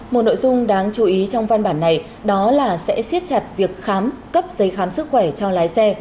một nội dung đáng chú ý trong văn bản này đó là sẽ siết chặt việc khám cấp giấy khám sức khỏe cho lái xe